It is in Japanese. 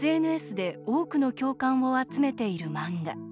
今、ＳＮＳで多くの共感を集めている漫画。